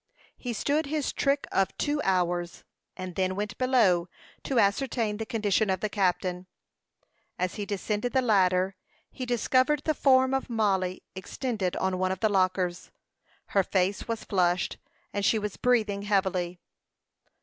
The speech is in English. He stood his trick of two hours, and then went below, to ascertain the condition of the captain. As he descended the ladder, he discovered the form of Mollie extended on one of the lockers. Her face was flushed, and she was breathing heavily.